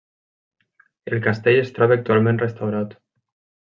El castell es troba actualment restaurat.